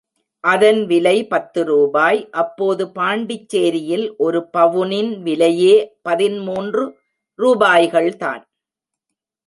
அதன் விலை பத்து ரூபாய், அப்போது பாண்டிச்சேரியில் ஒரு பவுனின் விலையே பதின்மூன்று ரூபாய்கள்தான்.